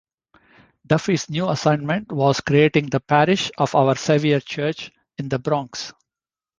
Duffy's new assignment was creating the parish of Our Savior Church in the Bronx.